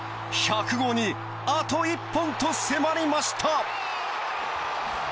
１００号にあと１本と迫りました。